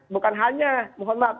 bukan hanya mohon maaf